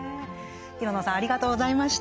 廣野さんありがとうございました。